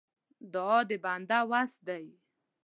دعا د بنده وس دی.